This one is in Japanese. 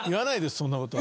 そんなことは。